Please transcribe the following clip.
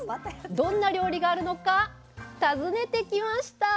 どんな料理があるのか訪ねてきました。